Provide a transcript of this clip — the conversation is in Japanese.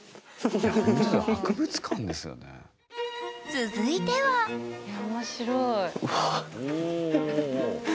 続いては面白い。